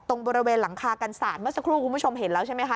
ตรงบริเวณหลังคากันศาสตร์เมื่อสักครู่คุณผู้ชมเห็นแล้วใช่ไหมคะ